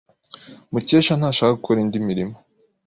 Mukesha ntashaka gukora indi mirimo.